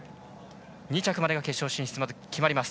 ２着までが決勝進出決まります。